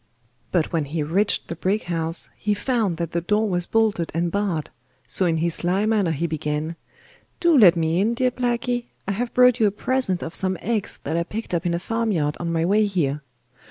But when he reached the brick house, he found that the door was bolted and barred, so in his sly manner he began, 'Do let me in, dear Blacky. I have brought you a present of some eggs that I picked up in a farmyard on my way here.